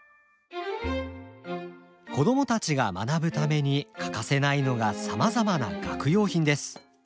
子供たちが学ぶために欠かせないのがさまざまな学用品です。